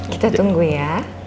kita tunggu ya